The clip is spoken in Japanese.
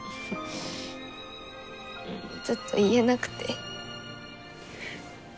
ずっと言えなくて。